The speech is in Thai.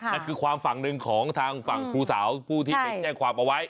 นั่นคือความฝั่งหนึ่งของทางฝั่งครูสาวผู้ที่ไปแจ้งความเอาไว้